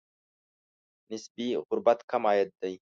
نسبي غربت کم عاید دی.